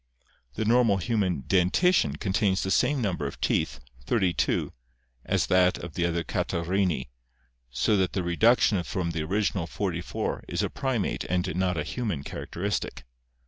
The normal human dentition contains the same number of teeth, thirty two, as that of the other Catarrhini, so that the reduction from the original forty four is a primate and not a human char acteristic.